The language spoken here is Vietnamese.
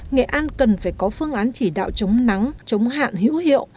nghệ an cần phải có phương án chỉ đạo chống nắng chống hạn hữu hiệu